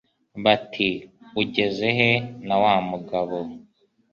Bati: ugeze he na wa mugabo ?